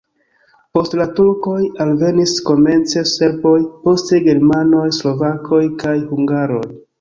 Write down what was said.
Post la turkoj alvenis komence serboj, poste germanoj, slovakoj kaj hungaroj.